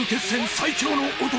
最強の男